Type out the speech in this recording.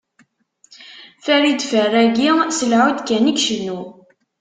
Farid Ferragi s lɛud kan i icennu.